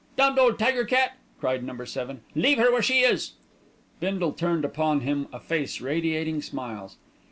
"Damned old tiger cat!" cried Number Seven. "Leave her where she is." Bindle turned upon him a face radiating smiles.